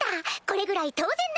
これぐらい当然なのだ。